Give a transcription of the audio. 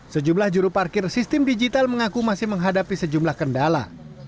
sejumlah juru parkir sistem digital mengaku masih menghadapi sejumlah kendala